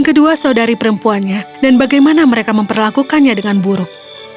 dan kedua saudari perempuannya dan bagaimana mereka memperlakukannya dengan buruk